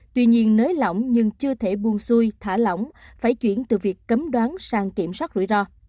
tuy nhiên nới lỏng nhưng chưa thể buông xuôi thả lỏng phải chuyển từ việc cấm đoán sang kiểm soát rủi ro